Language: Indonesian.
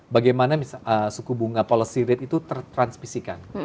bagaimana suku bunga policy rate itu tertransmisikan